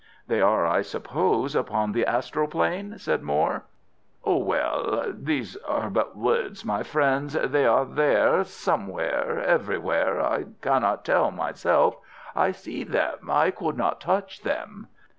"They are, I suppose, upon the astral plane?" said Moir. "Ah, well, these are but words, my friends. They are there—somewhere—everywhere—I cannot tell myself. I see them. I could not touch them."